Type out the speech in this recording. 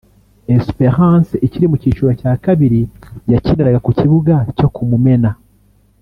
Esperance ikiri mu cyiciro cya kabiri yakiniraga ku kibuga cyo ku Mumena